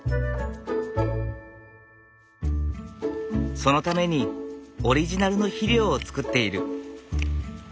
そのためにオリジナルの肥料を作っている。